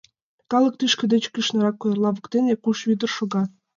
Калык тӱшка деч кӱшнырак, куэрла воктен, Якуш Вӧдыр шога.